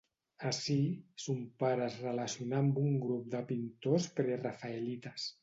Ací, son pare es relacionà amb un grup de pintors prerafaelites.